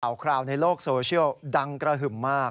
คราวในโลกโซเชียลดังกระหึ่มมาก